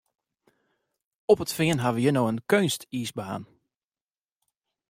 Op it Fean ha we hjir no in keunstiisbaan.